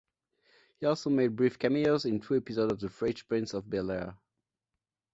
He also made brief cameos in two episodes of "The Fresh Prince of Bel-Air".